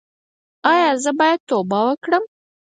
ایا زه باید توبه وکړم؟